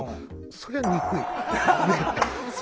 そりゃ憎い。